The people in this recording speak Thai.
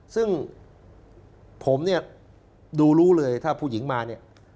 ซึ่งผมเนี่ยดูรู้เลยถ้าผู้หญิงมาเนี่ย